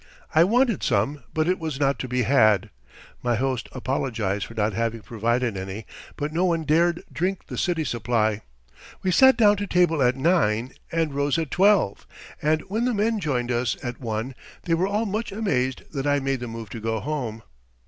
I wanted some, but it was not to be had. My host apologized for not having provided any, but no one dared drink the city supply. We sat down to table at nine and rose at twelve, and when the men joined us at one they were all much amazed that I made the move to go home.